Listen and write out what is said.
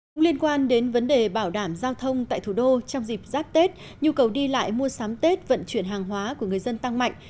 cũng liên quan đến vấn đề bảo đảm giao thông tại thủ đô trong dịp giáp tết nhu cầu đi lại mua sắm tết vận chuyển hàng hóa của người dân tăng mạnh